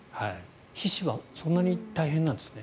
皮脂はそんなに大変なんですね。